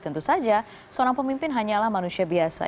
tentu saja seorang pemimpin hanyalah manusia biasa